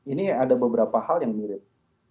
ini ada beberapa hal yang mirip